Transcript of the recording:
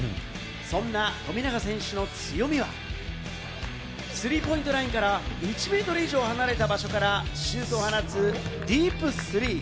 そんな富永選手の強みは、スリーポイントラインから１ｍ以上離れた場所からシュートを放つディープスリー。